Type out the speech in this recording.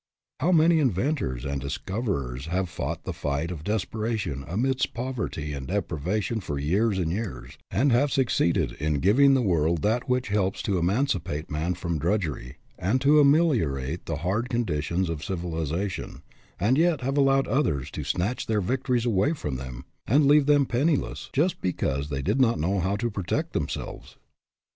How many inventors and discoverers have fought the fight of desperation amidst poverty and deprivation for years and years, and have succeeded in giving the world that which helps to emancipate man from drudgery and to ameliorate the hard conditions of civilization, 178 HAD MONEY BUT LOST IT and yet have allowed others to snatch their victories away from them and leave them penniless, just because they did not know how to protect themselves!